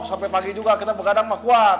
sampai pagi juga kita bergadang mbak kuat